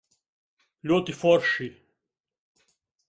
Ļoti forši.